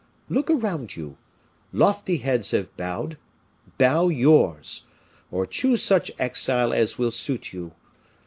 Look around you; lofty heads have bowed. Bow yours, or choose such exile as will suit you.